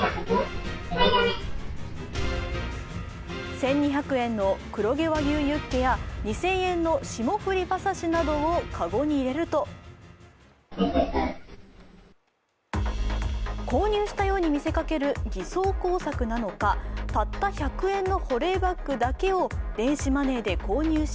１２００円の黒毛和牛ユッケや２０００円の霜降り馬刺しなどをカゴに入れると購入したように見せかける偽装工作なのか、たった１００円の保冷バッグだけを電子マネーで購入し